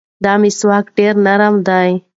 دا مسواک ډېر نرم دی.